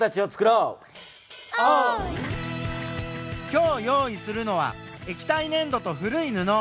今日用意するのは液体ねん土と古い布。